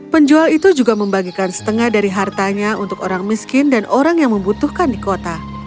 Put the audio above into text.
penjual itu juga membagikan setengah dari hartanya untuk orang miskin dan orang yang membutuhkan di kota